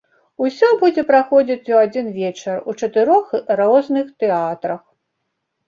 Усё будзе праходзіць у адзін вечар у чатырох розных тэатрах.